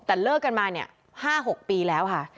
แต่เลิกกันมาเนี่ย๕๖ปีแล้วค่ะ